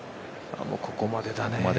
ここまでだね。